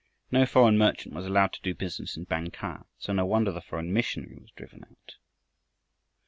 No foreign merchant was allowed to do business in Bang kah, so no wonder the foreign missionary was driven out.